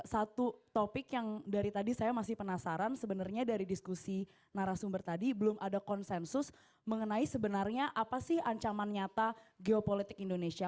satu topik yang dari tadi saya masih penasaran sebenarnya dari diskusi narasumber tadi belum ada konsensus mengenai sebenarnya apa sih ancaman nyata geopolitik indonesia